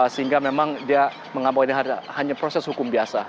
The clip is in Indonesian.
sehingga memang dia mengambil hanya proses hukum biasa